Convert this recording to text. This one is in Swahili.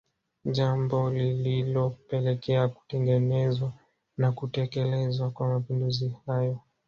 Jambo lilopelekea kutengenezwa na kutekelezwa kwa mapinduzi hayo